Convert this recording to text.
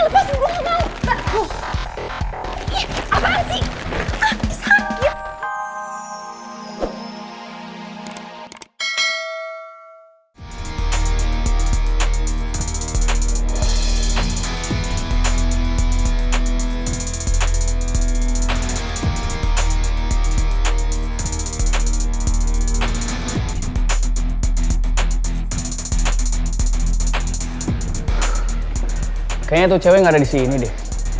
kayaknya tuh cewek yang ada di sini deh